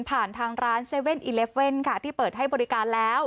ผ่านทางร้าน๗๑๑ค่ะที่เปิดให้บริการแล้ว